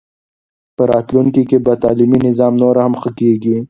په راتلونکي کې به تعلیمي نظام نور هم ښه کېږي.